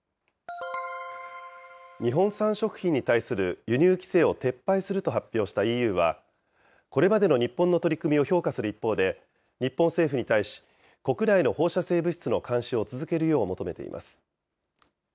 日本産食品に対する輸入規制を撤廃すると発表したＥＵは、これまでの日本の取り組みを評価する一方で、日本政府に対し、国内の放射性物質の監視を続けるよう求めています。